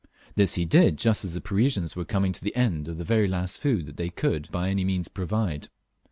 This he did just as the Paris ians were coming to the end of the very last food they could by any means provide.